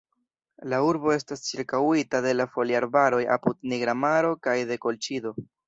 La urbo estas ĉirkaŭita de la Foliarbaroj apud Nigra Maro kaj de Kolĉido.